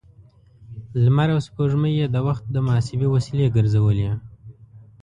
لمر او سپوږمۍ يې د وخت د محاسبې وسیلې ګرځولې.